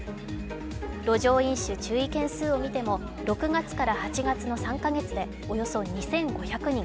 路上飲酒注意件数を見ても、６月から８月の３か月でおよそ２５００人。